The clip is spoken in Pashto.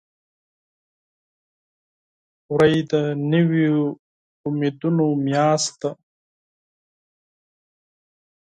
وری د نوي امیدونو میاشت ده.